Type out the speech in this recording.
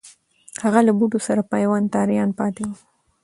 هغه له بوټو سره پیوند ته آریان پاتې وو.